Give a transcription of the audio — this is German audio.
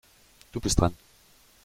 Du bist dran.